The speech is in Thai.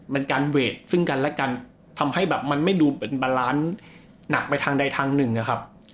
มันการเวทซึ่งกันและกันทำให้แบบมันไม่ดูเป็นบาลานซ์หนักไปทางใดทางหนึ่งนะครับ